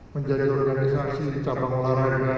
menjadi organisasi capang olahraga